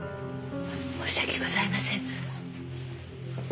申し訳ございません。